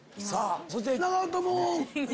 そして長友。